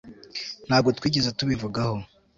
Ntabwo twigeze tubivugaho